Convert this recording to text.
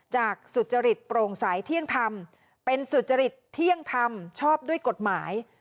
จากสุจริตโปร่งสายเที่ยงทำเป็นสุจริตเที่ยงทำชอบด้วยกฎหมาย